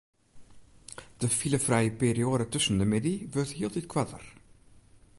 De filefrije perioade tusken de middei wurdt hieltyd koarter.